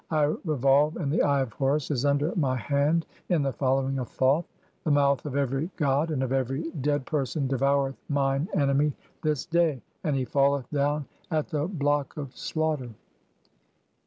I revolve, and the Eye of Horus is under "my hand in the (6) following of Thoth. The mouth of every "god and of every dead person devoureth mine enemy this day, "and he falleth down at the block of slaughter.